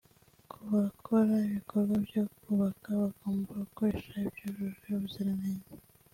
Ku bakora ibikorwa byo kubaka bagomba gukoresha ibyujuje ubuziranenge